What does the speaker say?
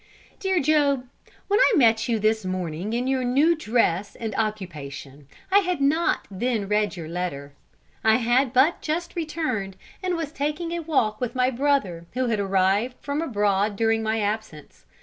"Dear Job, when I met you this morning in your new dress and occupation, I had not then read your letter. I had but just returned, and was taking a walk with my brother, who had arrived from abroad during my absence.